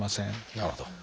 なるほど。